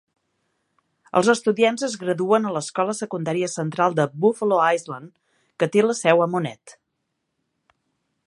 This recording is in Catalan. Els estudiants es graduen a l'escola secundària central de Buffalo Island, que té la seu a Monette.